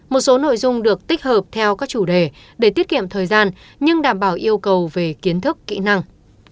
một số nội dung được tích hợp theo các chủ đề để tiết kiệm thời gian nhưng đảm bảo yêu cầu về kiến thức kỹ năng